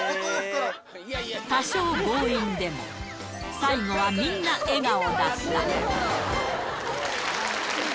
多少強引でも、最後はみんな笑顔だった。